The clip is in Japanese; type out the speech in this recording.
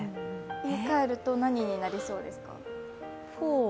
言い換えると何になりそうですか？